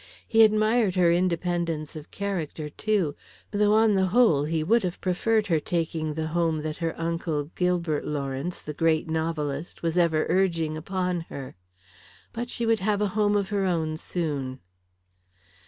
He admired her independence of character, too, though on the whole he would have preferred her taking the home that her uncle Gilbert Lawrence, the great novelist, was ever urging upon her. But she would have a home of her own soon.